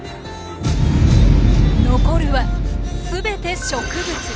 残るは全て植物！